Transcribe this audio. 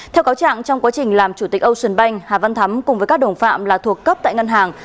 theo cáo trạng trong quá trình làm chủ tịch ocean bank hà văn thắm cùng với các đồng phạm là thuộc cấp tại ngân hàng